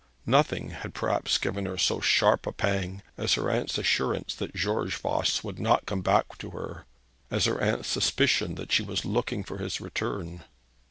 Nothing had, perhaps, given her so sharp a pang as her aunt's assurance that George Voss would not come back to her, as her aunt's suspicion that she was looking for his return.